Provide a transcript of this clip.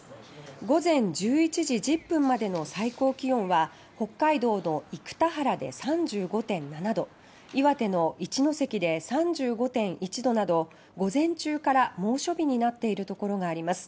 午前１１時１０分までの最高気温は北海道の生田原で３５．７度岩手の一関で３５．１度など午前中から猛暑日になっている所があります。